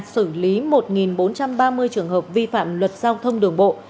xử lý một bốn trăm ba mươi trường hợp vi phạm luật giao thông đường bộ